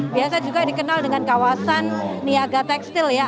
biasa juga dikenal dengan kawasan niaga tekstil ya